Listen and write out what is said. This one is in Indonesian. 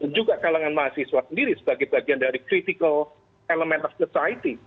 juga kalangan mahasiswa sendiri sebagai bagian dari critical elemen of society